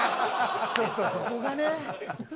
ちょっとそこがね。